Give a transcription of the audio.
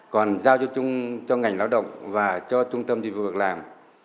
còn giao cho ngành lao động và cho trung tâm dịch vụ việc làm